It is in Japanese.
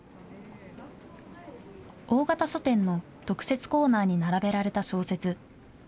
大型書店の特設コーナーに並べられた小説。